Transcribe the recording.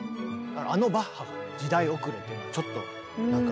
あのバッハが時代遅れというちょっとなんか。